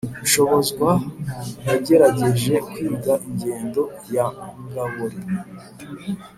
Nshobozwa yagerageje kwiga ingendo ya ngabori.